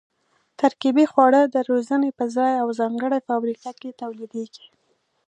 ترکیبي خواړه د روزنې په ځای او ځانګړې فابریکه کې تولیدېږي.